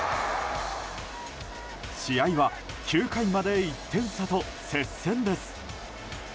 試合は９回まで１点差と接戦です。